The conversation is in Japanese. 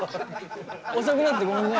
遅くなってごめんね。